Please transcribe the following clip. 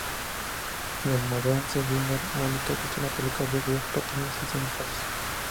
En el Moondance Diner, Mónica viste una peluca rubia, patines y senos falsos.